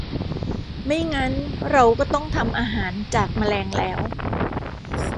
ไม่งั้นเราก็ต้องทำอาหารจากแมลงแล้ว